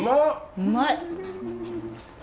うまい！